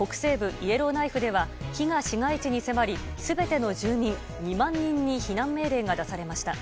イエローナイフでは火が市街地に迫り全ての住民２万人に避難命令が出されました。